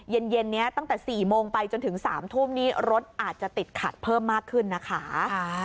เย็นนี้ตั้งแต่๔โมงไปจนถึง๓ทุ่มนี้รถอาจจะติดขัดเพิ่มมากขึ้นนะคะ